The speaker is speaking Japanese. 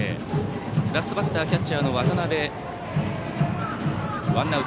ラストバッターはキャッチャーの渡辺。